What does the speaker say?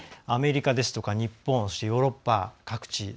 アメリカですとか、日本ヨーロッパ各地。